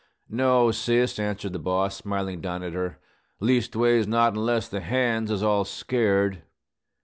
"No, sis," answered the boss, smiling down at her, "leastways, not unless the hands is all scared."